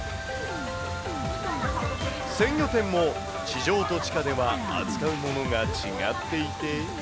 鮮魚店も地上と地下では扱うものが違っていて。